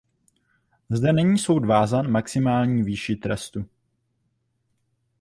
Zde není soud vázán maximální výši trestu.